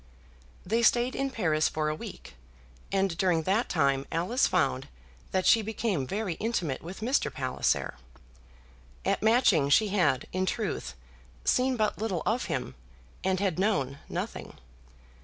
They stayed in Paris for a week, and during that time Alice found that she became very intimate with Mr. Palliser. At Matching she had, in truth, seen but little of him, and had known nothing.